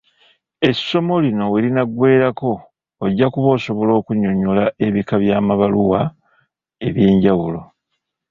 Essomo lino we linaggweerako, ojja kuba osobola okunnyonnyola ebika by'amabbaluwa eby'enjawulo.